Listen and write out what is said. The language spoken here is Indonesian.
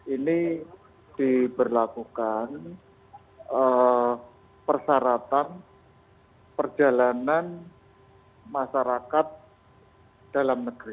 ini diberlakukan persyaratan perjalanan masyarakat dalam negeri